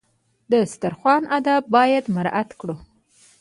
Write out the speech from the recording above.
د دسترخوان آداب باید مراعات کړو.